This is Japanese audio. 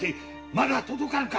まだ届かぬか！